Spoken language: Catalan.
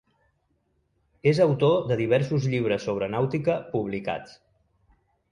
És autor de diversos llibres sobre nàutica publicats.